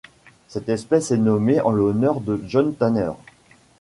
Cette espèce est nommée en l'honneur de John Tanner.